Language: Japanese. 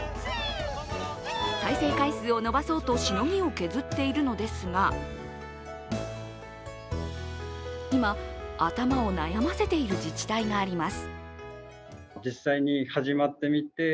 再生回数を伸ばそうとしのぎを削っているのですが今、頭を悩ませている自治体があります。